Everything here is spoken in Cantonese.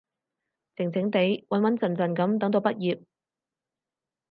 靜靜哋，穩穩陣陣噉等到畢業